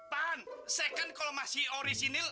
pan second kalau masih orisinil